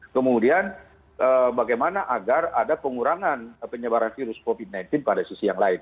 kemudian bagaimana agar ada pengurangan penyebaran virus covid sembilan belas pada sisi yang lain